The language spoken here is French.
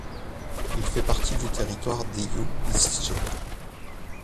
Il fait partie du territoire d'Eeyou Istchee.